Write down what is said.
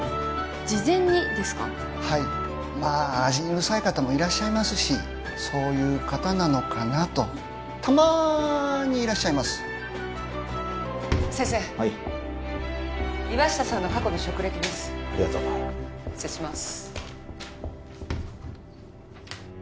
事前にですかはいまあ味にうるさい方もいらっしゃいますしそういう方なのかなとたまにいらっしゃいます先生はい岩下さんの過去の職歴ですありがとう失礼します